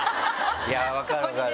いや分かる分かる。